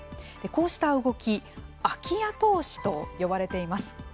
こうした動き空き家投資と呼ばれています。